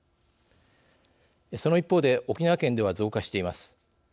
その一方で沖縄県では、増加しています。